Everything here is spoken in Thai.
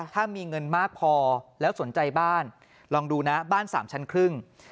ถ้ามีเงินมากพอแล้วสนใจบ้านลองดูนะบ้านสามชั้นครึ่ง